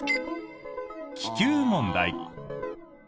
気球問題。